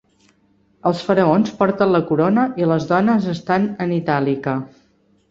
Els faraons porten la corona i les dones estan en itàlica.